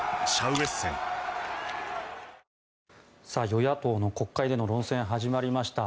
与野党の国会での論戦始まりました。